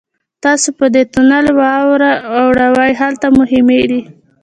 تاسو په دې تونل ورواوړئ هلته مو خیمې دي.